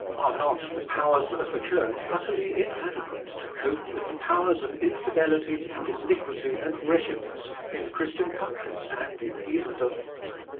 Are not the powers of the Church utterly inadequate to cope with the powers of infidelity and iniquity and wretchedness in Christian countries and in heathendom